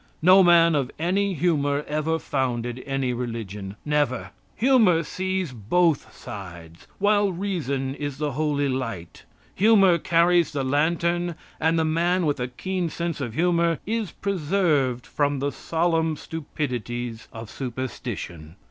No man of any humor ever founded any religion never. Humor sees both sides, while reason is the holy light; humor carries the lantern and the man with a keen sense of humor is preserved from the solemn stupidities of superstition.